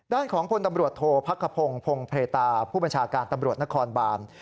ด้านของพลตำรวจโทษพักขพงศ์พงเพตาผู้บัญชาการตำรวจนครบาน